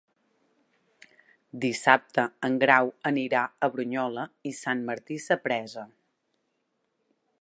Dissabte en Grau anirà a Brunyola i Sant Martí Sapresa.